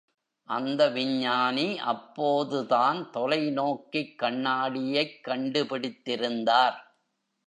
அந்த விஞ்ஞானி அப்போதுதான் தொலை நோக்கிக் கண்ணாடியைக் கண்டு பிடித்திருந்தார்!